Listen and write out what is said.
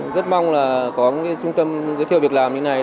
rất mong là có cái trung tâm giới thiệu việc làm như này